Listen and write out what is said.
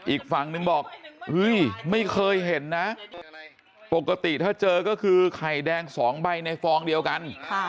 อีกฝั่งนึงบอกไม่เคยเห็นนะปกติถ้าเจอก็คือไข่แดง๒ใบในฟองเดียวกัน